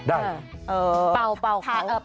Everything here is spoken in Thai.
ได้